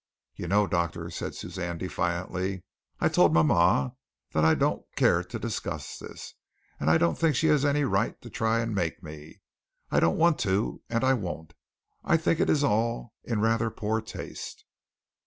"You know, doctor," said Suzanne defiantly, "I told mama that I don't care to discuss this, and I don't think she has any right to try to make me. I don't want to and I won't. I think it is all in rather poor taste."